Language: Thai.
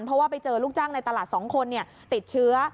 เพราะว่าไปเจอลูกจ้างในตลาด๒คนติดเชื้อ